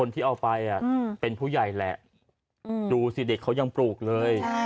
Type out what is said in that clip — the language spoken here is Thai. ที่เอาไปเป็นผู้ใหญ่แหละดูสิเด็กเขายังปลูกเลย